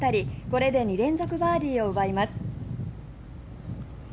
これで２連続バーディーを奪います。